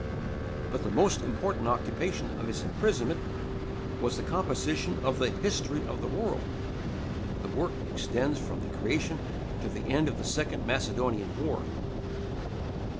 But the most important occupation of his imprisonment was the composition of the "History of the World." The work extends from the creation to the end of the second Macedonian war.